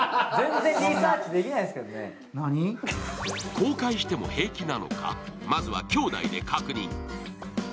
公開しても平気なのか、まずは兄弟で確認。